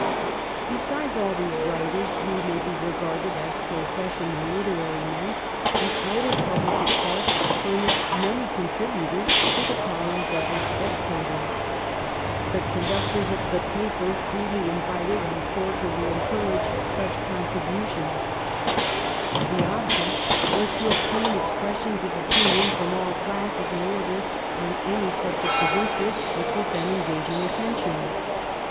Besides all these writers, who may be regarded as professional literary men, the outer public itself furnished many contributors to the columns of ' The Spectator.' The conductors of the paper freely 1711 LETTERS FROM THE OUTER WORLD. 175 invited and cordially encouraged such contributions. The object was to obtain expressions of opinion from all classes and orders on any subject of interest which was then engaging attention.